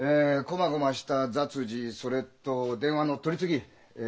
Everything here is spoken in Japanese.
こまごました雑事それと電話の取り次ぎえ